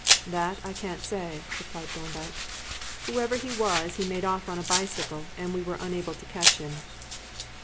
"That I can't say," replied Thorndyke. "Whoever he was, he made off on a bicycle and we were unable to catch him."